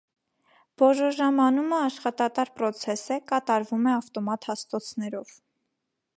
Բոժոժամանումը աշխատատար պրոցես է, կատարվում է ավտոմատ հաստոցներով։